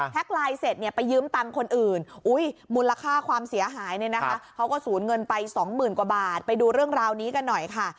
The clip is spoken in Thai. ไลน์เสร็จเนี่ยไปยืมตังค์คนอื่นมูลค่าความเสียหายเนี่ยนะคะเขาก็สูญเงินไปสองหมื่นกว่าบาทไปดูเรื่องราวนี้กันหน่อยค่ะ